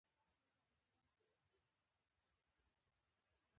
د جوارو د قطارونو ترمنځ فاصله څومره وي؟